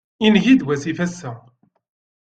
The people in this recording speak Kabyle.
Ingi-d wasif ass-a.